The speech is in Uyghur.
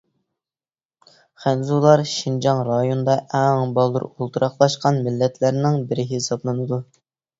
خەنزۇلار شىنجاڭ رايونىدا ئەڭ بالدۇر ئولتۇراقلاشقان مىللەتلەرنىڭ بىرى ھېسابلىنىدۇ.